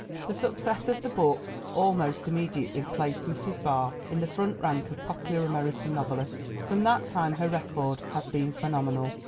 The success of this book almost immediately placed Mrs. Barr in the front rank of popular American novelists. From that time her record has been phenomenal.